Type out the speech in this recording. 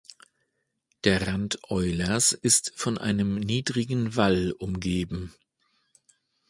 Der Rand Eulers ist von einem niedrigen Wall umgeben.